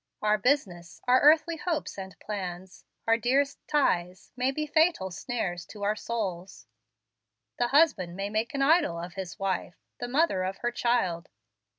Our business, our earthly hopes and plans, our dearest ties, may be fatal snares to our souls. The husband may make an idol of his wife, the mother of her child.